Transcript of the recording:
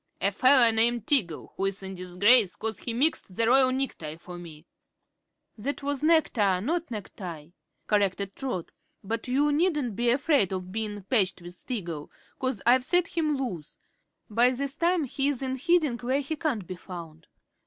"A feller named Tiggle, who's in disgrace 'cause he mixed the royal necktie for me." "That was nectar not necktie," corrected Trot. "But you needn't be 'fraid of bein' patched with Tiggle, 'cause I've set him loose. By this time he's in hiding, where he can't be found."